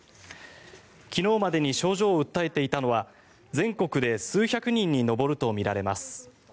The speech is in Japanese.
昨日までに症状を訴えていたのは全国で数百人に上るとみられます。